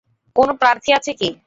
কোন প্রার্থী আছে কি?